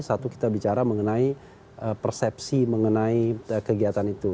satu kita bicara mengenai persepsi mengenai kegiatan itu